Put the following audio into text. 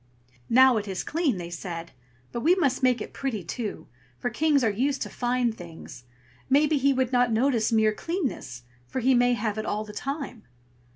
"Now it is clean!" they said; "but we must make it pretty, too, for kings are used to fine things; maybe he would not notice mere cleanness, for he may have it all the time."